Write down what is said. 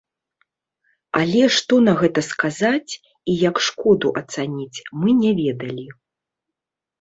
Але што на гэта сказаць і як шкоду ацаніць, мы не ведалі.